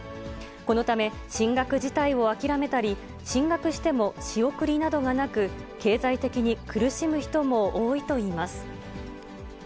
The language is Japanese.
このため、進学自体を諦めたり、進学しても仕送りなどがなく、経済的に苦しむ人も多いといいます。